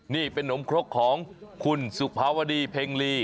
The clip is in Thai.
นี่เป็นนมครกของคุณสุภาวดีเพ็งลี